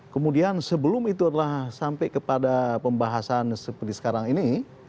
kemudian sebelum itu adalah sampai kepada pembahasan seperti sekarang ini